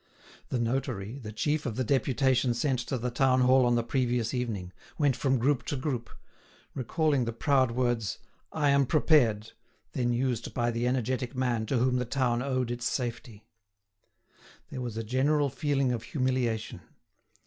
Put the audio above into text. The notary, the chief of the deputation sent to the town hall on the previous evening, went from group to group, recalling the proud words "I am prepared!" then used by the energetic man to whom the town owed its safety. There was a general feeling of humiliation.